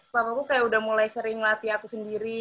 papaku kayak udah mulai sering ngelatih aku sendiri